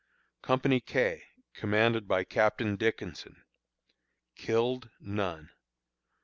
Company K, commanded by Captain Dickinson. Killed: None.